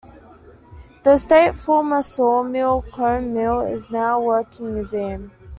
The estate's former sawmill, Combe Mill, is now a working museum.